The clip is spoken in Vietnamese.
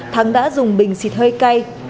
thắng đã dùng bình xịt hơi cay